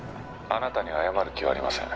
「あなたに謝る気はありません」